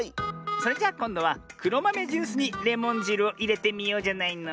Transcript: それじゃこんどはくろまめジュースにレモンじるをいれてみようじゃないの。